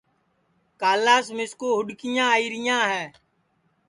کالاس مِسکُو ہُوڈؔکیاں آئیریاں ہے